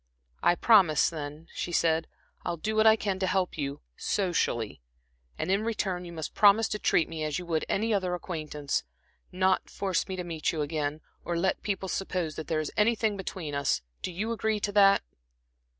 "I promise, then," she said. "I'll do what I can to help you socially, and in return you must promise to treat me as you would any other acquaintance not force me to meet you again, or let people suppose that there is anything between us. Do you agree to that?"